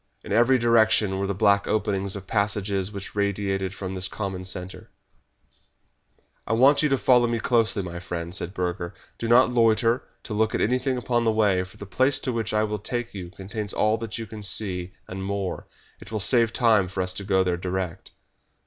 In every direction were the black openings of passages which radiated from this common centre. "I want you to follow me closely, my friend," said Burger. "Do not loiter to look at anything upon the way, for the place to which I will take you contains all that you can see, and more. It will save time for us to go there direct."